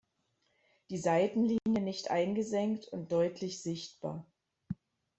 Die Seitenlinie nicht eingesenkt und deutlich sichtbar.